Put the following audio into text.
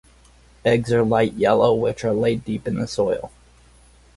Eggs are light yellow which are laid deep in the soil.